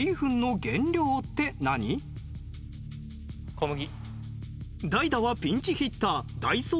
小麦。